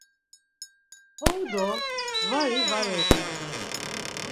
Ho do vari, var ognams.